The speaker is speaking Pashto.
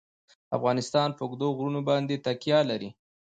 افغانستان په اوږده غرونه باندې تکیه لري.